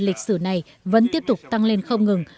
lịch sử này vẫn tiếp tục tăng lên không ngừng